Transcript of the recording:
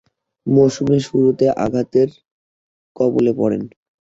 মৌসুমের শুরুতে আঘাতের কবলে পড়েন।